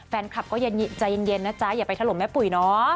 แฟนคลับก็ใจเย็นนะจ๊ะอย่าไปถล่มแม่ปุ๋ยเนาะ